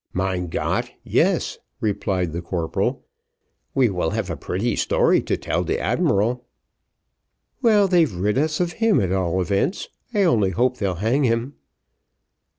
"Mein Gott! yes," replied the corporal; "we will have a pretty story to tell de admiral." "Well, they've rid us of him at all events; I only hope they'll hang him."